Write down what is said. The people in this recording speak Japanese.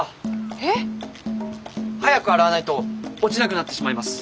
えっ？早く洗わないと落ちなくなってしまいます。